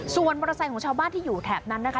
ส่วนมอเตอร์ไซค์ของชาวบ้านที่อยู่แถบนั้นนะคะ